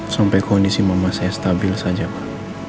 sampai kondisi mama saya stabil saja pak